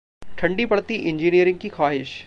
ठंडी पड़ती इंजीनियरिंग की ख्वाहिश